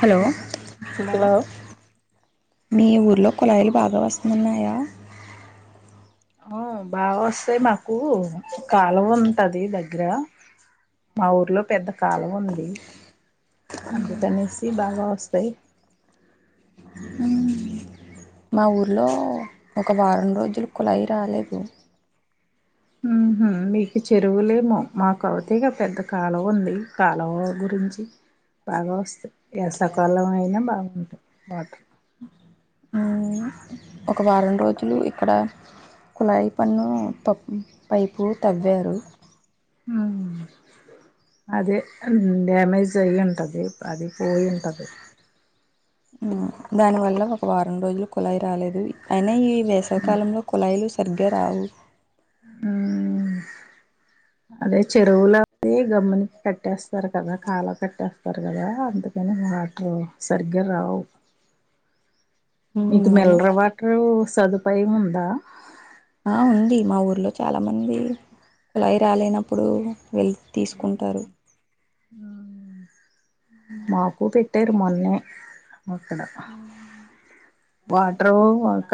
Hello hello మీ ఊర్లో కుళాయిలు బాగా వస్తున్నాయా. ఓ బాగా వస్తాయి, మాకు కాలువ ఉంటది దగ్గర. మా ఊర్లో పెద్ద కాలువుంది. అందుకనేసి బాగా వస్తయ్. ఆమ్ మా ఊర్లో ఒక వారం రోజులు కుళాయి రాలేదు. ఉహూహ్ మీకు చెరువులేమో, మాకు అవుతాయిగా పెద్ద కాలువ ఉంది. కాలువ గుర్ నుంచి బాగా వస్తాయ్, వేసాకాలం అయినా బాగుంటాయ్ వాటర్. హుహ్ ఒక వారం రోజులు ఇక్కడ కుళాయి పన్ను తాప్ పైపు తవ్వారు. ఉహూహ్ అదే డ్యామేజ్ అయ్ ఉంటంది. ఉహ్ దానివల్ల వారం రోజులు కుళాయి రాలేదు. అయినా ఈ వేసవి కాలంలో కుళాయిలు సరిగ్గా రావు హుహ్ అదే చెరువుల అబే గమ్ముని కట్టేస్త తర్ కదా కల్వ్ కట్టేస్తారు కదా అందుకని వాటర్ సరిగ్గా రావ్. మీకు అవును మిలడ్రు వాటరు సదుపాయం ఉందా. ఆ ఉంది మా ఊర్లో చాలామంది కుళాయి రాలేనప్పుడు వెళ్ తీసుకుంటారు. హుహ్ మాకు పెట్టేరు మొన్నే. మెక్కడ వాటరు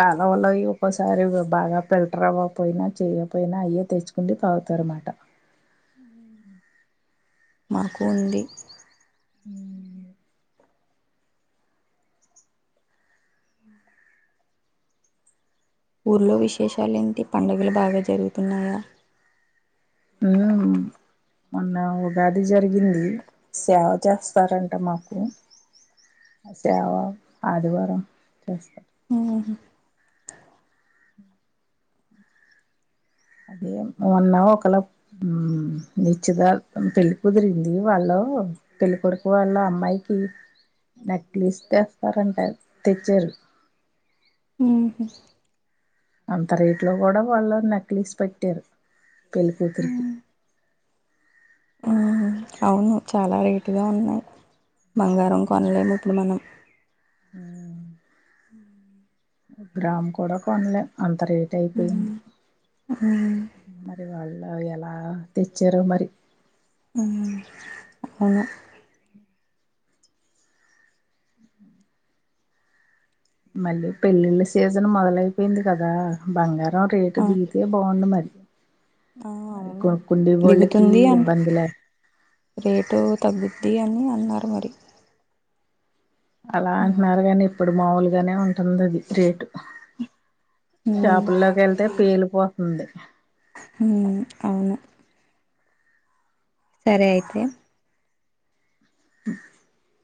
కాలవ వల్ల వియోపోస్ తరివిగ్ బాగా ఫిల్టర్ అవ్వ పోయినా, చేయ్య పోయినా, అయ్యే తెచ్చుకుండి తాగుతారు మాట. మన్క్ ఉంది హుహ్ ఊర్లో విశేషాలు ఏంటి పండుగలు బాగా జరుగుతున్నాయా. నేహామ్ మొన్న ఉగాది జరిగింది. సేవ చేస్తారంట మాకు ఆ సేవా ఆదివారం చేస్తా హుహు్ అదేమ్ మొన్న ఒకళప్ నిచ్చిదార్ పెళ్ళి కుదిరింది వాళ్ళు పెళ్ళి కొడుకు వాళ్ళ అమ్మాయికి నెక్లెస్ తెస్తారంట తెచ్చారు. హుహూ అంత రేట్ లో కూడా వాళ్ళు నాకల్లిస్ పెట్టారు. పెళ్ళి కుతురికి హుహ్ అవును చాలా రేటుగా ఉన్నాయ్. బంగారం కొనలేము ఇప్పుడు మనం హ్మ్ గ్రామ్ కూడా కొనలేం అంత్ తా రేట్ ఉమ్ అయిపోయింది ఉమ్ మరి వాళ్ళ ఎలా తెచ్చారో మరి హూ అవును మల్లేప్ పెళ్లిళ్ల సీజన్ మొదలైపోయింది కదా బంగారం ఆ రేటు దిగితే బావుండ్ మరి ఆ అది అవును కొనుక్కుండే వాళ్ళకి దిగుతుంది అట్ ఇబ్బంది లేక రేటు తగ్ ది అని అన్నారు మరి అలా అంటున్నారు గానీ, ఇప్పుడు మాములుగానే ఉంటుంది అది రేటు. ఉమ్ షాపుల్లోకి వెళ్తే పెలి పోతుంది. హు్ అవును సరే అయితే ఆ